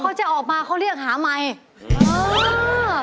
พ่อเขาจะออกมาเขาเรียกหาไมค์